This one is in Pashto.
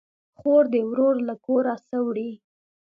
خور ده ورور له کوره سه وړي